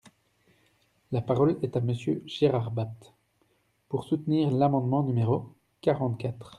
La parole est à Monsieur Gérard Bapt, pour soutenir l’amendement numéro quarante-quatre.